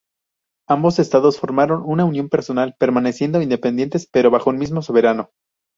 Ambos estados formaron una unión personal, permaneciendo independientes, pero bajo un mismo soberano.